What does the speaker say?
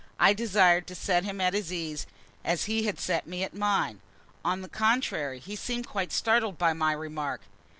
I desired to set him at his ease as he had set me at mine. On the contrary, he seemed quite startled by my remark.